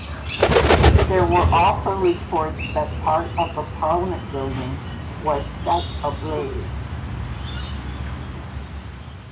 There were also reports that part of the parliament building was set ablaze.